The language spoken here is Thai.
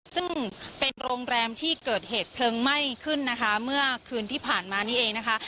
ซึ่งเป็นโรงแรมที่เกิดเหตุเพลิงไหม้ขึ้นนะคะเมื่อคืนที่ผ่านมานี่เองนะคะ